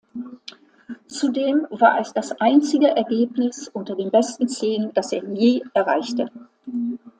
Zudem war es das einzige Ergebnis unter den besten zehn, das er je erreichte.